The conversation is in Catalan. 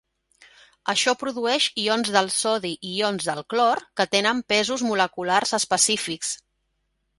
Això produeix ions del sodi i ions del clor que tenen pesos moleculars específics.